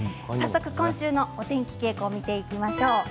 今週のお天気傾向を見ていきましょう。